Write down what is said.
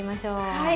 はい。